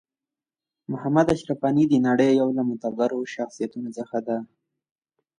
محمد اشرف غنی د نړۍ یو له معتبرو شخصیتونو څخه ده .